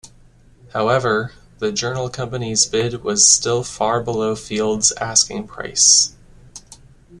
However, the Journal Company's bid was still far below Field's asking price.